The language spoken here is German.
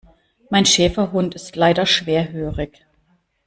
Mein Schäferhund ist leider schwerhörig.